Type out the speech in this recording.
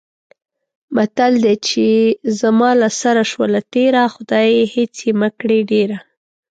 متل دی: چې زما له سره شوله تېره، خدایه هېڅ یې مه کړې ډېره.